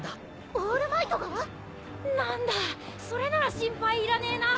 オールマイトが⁉何だそれなら心配いらねえな。